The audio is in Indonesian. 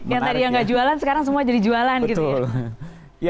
yang tadi yang nggak jualan sekarang semua jadi jualan gitu ya